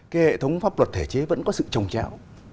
cái hệ thống pháp luật thể chế vẫn có sự trồng chéo